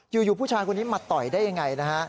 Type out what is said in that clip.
อยู่ผู้ชายคนนี้มาต่อยได้ยังไงนะฮะ